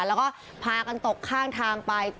แล้วก็พากันตกข้างทางไป